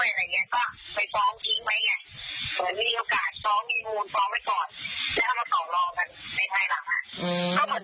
อะไรเถอะ